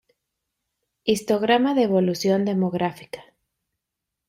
Histograma de evolución demográfica.